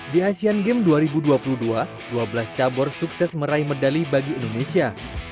di asean games dua ribu dua puluh dua dua belas cabur sukses meraih medali bagi indonesia